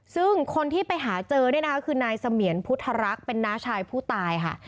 ซึ่งคนที่ไปหาเจอเนี่ยนะคะคือนายเสมียนพุทธรักษ์เป็นน้าชายผู้ตายค่ะ